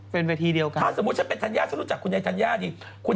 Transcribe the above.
และผมแม่จอดแล้วสมมุติก่อนอาหารที่ไม่จะที่แล้วก่อน